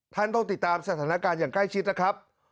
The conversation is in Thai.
ต้องติดตามสถานการณ์อย่างใกล้ชิดนะครับ